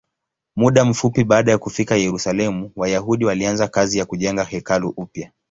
Muda mfupi baada ya kufika Yerusalemu, Wayahudi walianza kazi ya kujenga hekalu upya.